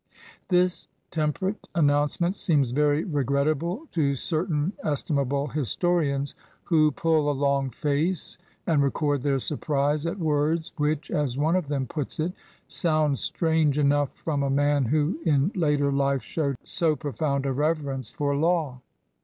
1 This temperate announcement seems very re grettable to certain estimable historians, who pull a long face and record their surprise at words which, as one of them puts it, "sound strange enough from a man who in later life showed so profound a reverence for law."